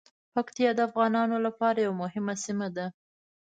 پکتیا د افغانانو لپاره یوه مهمه سیمه ده.